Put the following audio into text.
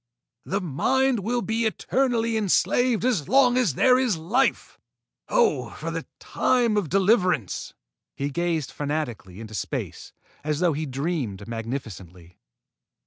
The Mind will be eternally enslaved as long as there is life! Oh, for the time of deliverance!" He gazed fanatically into space, as though he dreamed magnificently.